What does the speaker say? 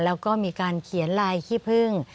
แล้วก็มีการเขียนลายขี้พึ่ง